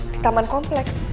di taman kompleks